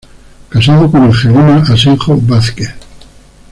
Casado con "Angelina Asenjo Vásquez".